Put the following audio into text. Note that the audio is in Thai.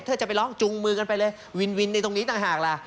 ถ้าจะไปร้องจุงมือกันไปเลยวินวินในตรงนี้ต่างหากล่ะ